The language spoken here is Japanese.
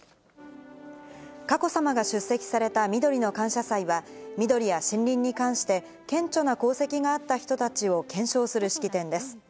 佳子さまが出席されたみどりの感謝祭は、みどりや森林に関して、顕著な功績があった人たちを顕彰する式典です。